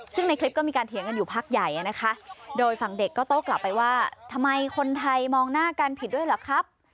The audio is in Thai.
ซึ่งในคลิปก็มีการเถียงกันอยู่พักใหญ่นะคะโดยฝั่งเด็กก็โต้กลับไปว่าทำไมคนไทยมองหน้ากันผิดด้วยเหรอครับ